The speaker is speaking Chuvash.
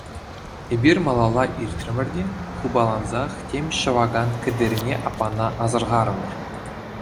Эпир малалла иртрӗмӗр те хыпалансах тем ҫӑвакан Кӗтерне аппана асӑрхарӑмӑр.